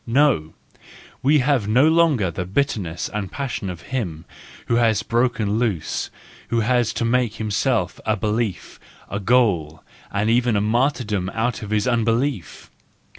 No! we have no longer the bitter¬ ness and passion of him who has broken loose, who has to make for himself a belief, a goal, and even a martyrdom out of his unbelief!